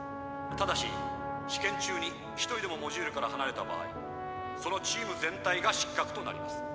ただし試験中に１人でもモジュールからはなれた場合そのチーム全体が失格となります。